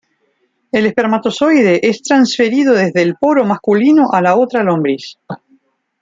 El espermatozoide es transferido desde el poro masculino a la otra lombriz.